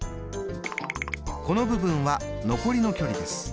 この部分は残りの距離です。